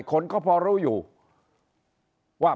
คนก็พอรู้อยู่ว่า